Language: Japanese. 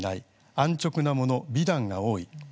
安直なもの、美談が多い。